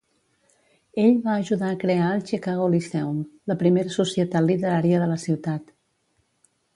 Ell va ajudar a crear el Chicago Lyceum, la primera societat literària de la ciutat.